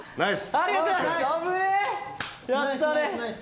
ありがとうございます。